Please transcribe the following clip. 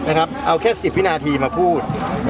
เอาแค่๑๐วินาทีมาพูด